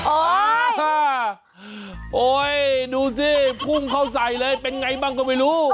โอ้ยดูสิพุ่งเข้าใส่เลยเป็นไงบ้างก็ไม่รู้